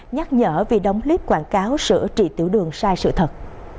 nhắc nhở vì đóng clip quảng cáo sửa trị tiểu đường sai sự thật